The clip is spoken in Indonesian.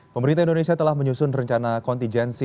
pemerintah indonesia telah menyusun rencana kontijensi